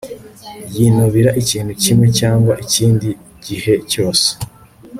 yinubira ikintu kimwe cyangwa ikindi gihe cyose